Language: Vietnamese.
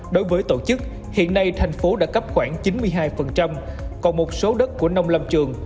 đối với tổ chức hiện nay thành phố đã cấp khoảng chín mươi hai còn một số đất của nông lâm trường